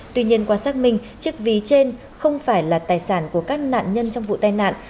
tuy nhiên qua xác minh chiếc ví trên không phải là tài sản của các nạn nhân trong vụ tai nạn